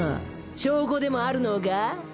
証拠でもあるのか？